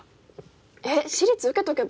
えっ私立受けとけば？